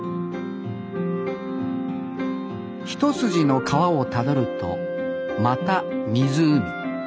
一筋の川をたどるとまた湖。